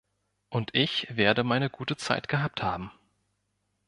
Und ich werde meine gute Zeit gehabt haben.